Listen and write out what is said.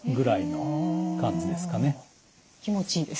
気持ちいいです。